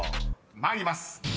［参ります］